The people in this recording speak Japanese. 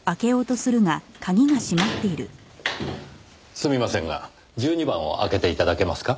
すみませんが１２番を開けて頂けますか？